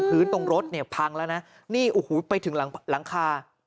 ถ้าตัวตัวในตรงโรศเนี่ยพังแล้วนะนี่อูหูไปถึงหลังคา